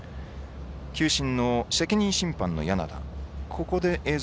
球審の責任審判の柳田。